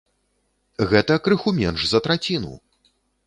Гэта крыху менш за траціну!